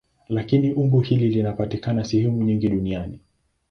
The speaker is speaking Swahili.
Lakini umbo hili linapatikana sehemu nyingi duniani.